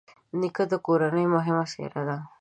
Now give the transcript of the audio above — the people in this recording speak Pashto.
نیکه د کورنۍ مهمه څېره ده.